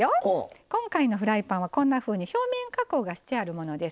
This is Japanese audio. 今回のフライパンはこんなふうに表面加工がしてあるものです。